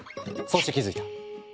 そして気付いた。